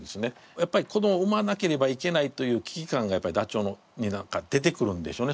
やっぱり子どもを産まなければいけないという危機感がやっぱりダチョウに出てくるんでしょうね。